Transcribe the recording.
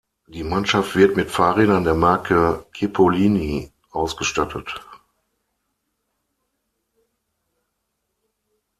Die Mannschaft wird mit Fahrrädern der Marke Cipollini ausgestattet.